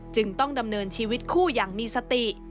จึงต้องดำเนินชีวิตคู่อย่างมีสติ